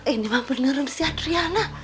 ini emang beneran si adriana